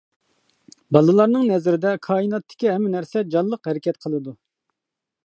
بالىلارنىڭ نەزىرىدە كائىناتتىكى ھەممە نەرسە جانلىق-ھەرىكەت قىلىدۇ.